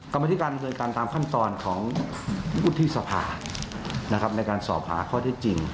กรรมอธิการเป็นอายการตามขั้นตอนของอุทธิสภานะครับในการสอบหาข้อที่จริง